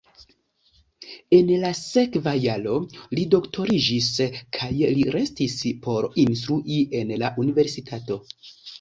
En la sekva jaro li doktoriĝis kaj li restis por instrui en la universitato.